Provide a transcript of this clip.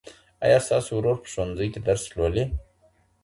ایا ستا ورور په ښوونځي کې درس لولي؟